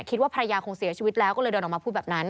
คิดว่าภรรยาคงเสียชีวิตแล้วก็เลยเดินออกมาพูดแบบนั้น